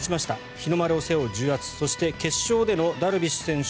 日の丸を背負う重圧そして決勝でのダルビッシュ選手